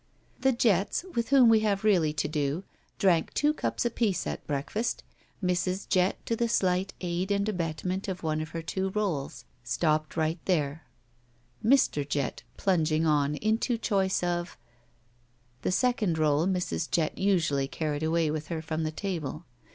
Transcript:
The Jetts, with whom we have really to do, drank two cups apiece at breakfast. Mrs. Jett, to the slight aid and abetment of one of her two rolls, stopped right there; Mr. Jett plunging on into choice of — The second roU Mrs. Jett usually carried away with her from the table.